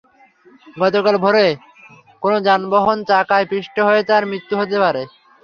গতকাল ভোরে কোনো যানবাহনের চাকায় পিষ্ট হয়ে তাঁর মৃত্যু হতে পারে।